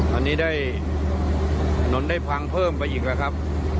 อันนี้ได้ถนนได้พังเพิ่มไปอีกแล้วครับ